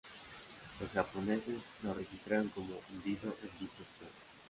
Los japoneses lo registraron como hundido en dicha acción.